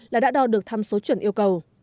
là đã đo được tham số chuẩn yêu cầu